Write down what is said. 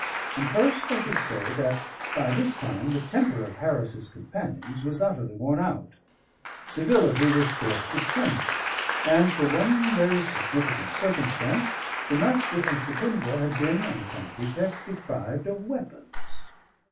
And first I should say that by this time the temper of Harris's companions was utterly worn out; civility was scarce pretended; and, for one very significant circumstance, the Master and Secundra had been (on some pretext) deprived of weapons.